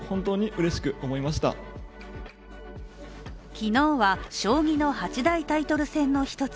昨日は、将棋の８大タイトル戦の一つ